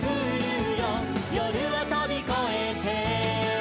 「夜をとびこえて」